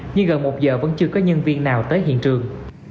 nhưng gần một giờ vẫn chưa có nhân viên nào tới hiện trường